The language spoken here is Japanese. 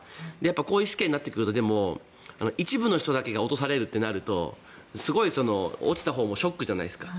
こういう試験になってくるとでも、一部の人だけが落とされるってなるとすごい、落ちたほうもショックじゃないですか。